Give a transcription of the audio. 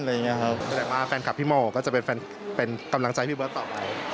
แสดงว่าแฟนคลับพี่โมก็จะเป็นกำลังใจพี่เบิร์ตต่อไป